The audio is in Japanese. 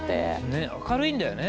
ねっ明るいんだよね。